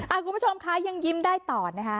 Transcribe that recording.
คุณผู้ชมคะยังยิ้มได้ต่อนะคะ